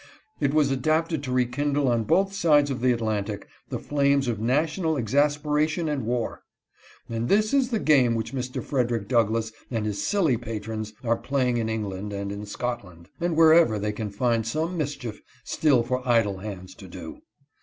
It was adapted to rekindle on both sides of the Atlantic the flames of national exasperation and war. And this is the game which Mr. Frederick Douglass and his silly patrons are playing in England and l inHScoHand, and wherever they can find * some mischief still for idle hands to do.'